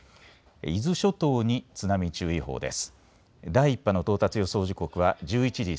伊豆諸島に津波注意報です。